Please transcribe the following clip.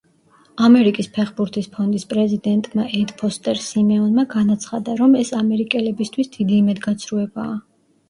ამერიკის ფეხბურთის ფონდის პრეზიდენტმა ედ ფოსტერ სიმეონმა განაცხადა, რომ ეს ამერიკელებისთვის დიდი იმედგაცრუებაა.